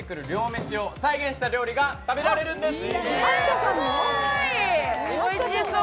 メシを再現した料理が食べられるんです。